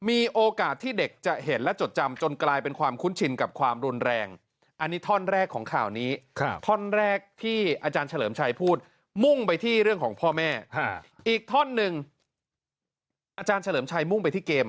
อีกท่อนหนึ่งอาจารย์เฉลิมชัยมุ่งไปที่เกม